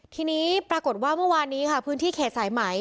ทีนี้ปรากฏว่าเมื่อวานนี้ค่ะพื้นที่เขตสายไหม